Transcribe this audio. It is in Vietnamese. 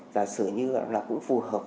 giả sử như là cũng phù hợp